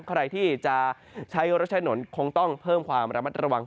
ใครที่จะใช้รถใช้ถนนคงต้องเพิ่มความระมัดระวัง